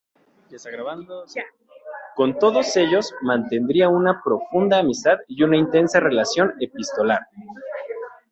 Con todos ellos mantendría una profunda amistad y una intensa relación epistolar.